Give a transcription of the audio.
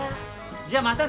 じゃあまたね。